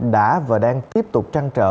đã và đang tiếp tục trăng trở